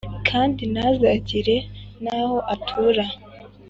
kandi ntazagire n'aho atura,